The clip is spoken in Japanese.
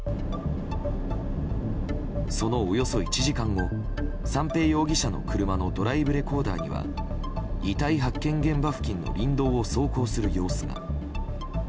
そのおよそ１時間後三瓶容疑者の車のドライブレコーダーには遺体発見現場付近の林道を走行する様子が。